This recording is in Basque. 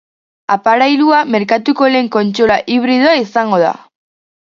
Aparailua merkatuko lehen kontsola hibridoa izango da.